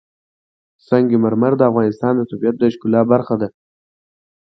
سنگ مرمر د افغانستان د طبیعت د ښکلا برخه ده.